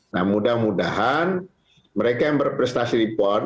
nah mudah mudahan mereka yang berprestasi di pon